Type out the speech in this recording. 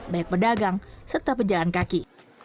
baik pedagang serta pejalan kaki